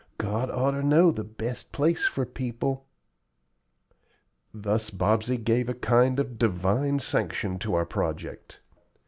God oughter know the best place for people." Thus Bobsey gave a kind of divine sanction to our project.